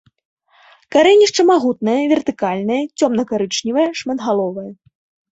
Карэнішча магутнае, вертыкальнае, цёмна-карычневае, шматгаловае.